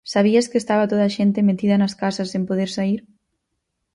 Sabías que estaba toda a xente metida nas casas, sen poder saír.